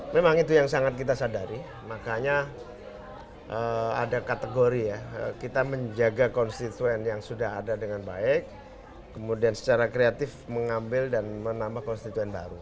memang itu yang sangat kita sadari makanya ada kategori ya kita menjaga konstituen yang sudah ada dengan baik kemudian secara kreatif mengambil dan menambah konstituen baru